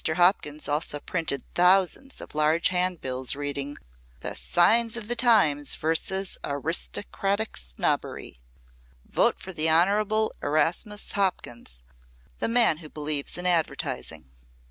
Hopkins also printed thousands of large hand bills reading "The Signs of the Times vs. Aristocratic Snobbery. Vote for the Hon. Erastus Hopkins, the man who believes in advertising."